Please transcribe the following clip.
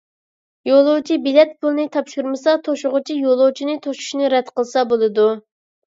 يولۇچى بېلەت پۇلىنى تاپشۇرمىسا، توشۇغۇچى يولۇچىنى توشۇشنى رەت قىلسا بولىدۇ.